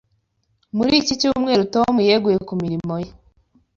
Muri iki cyumweru, Tom yeguye ku mirimo ye.